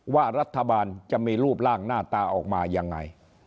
ว่ารัฐบาลจะมีรูปร่างหน้าตาออกมายังไง